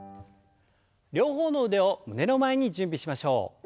両方の腕を胸の前に準備しましょう。